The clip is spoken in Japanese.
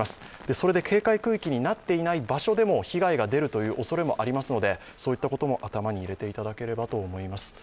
それで警戒区域になっていないところでも被害が出るというおそれもありますのでそういったことも頭に入れていただければと思います。